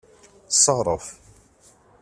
Ṣerref.